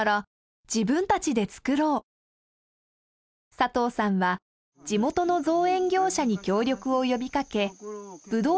佐藤さんは地元の造園業者に協力を呼びかけぶどう